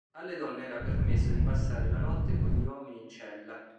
Alle donne era permesso di passare la notte con gli uomini in cella.